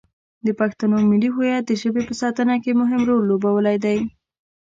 د پښتنو ملي هویت د ژبې په ساتنه کې مهم رول لوبولی دی.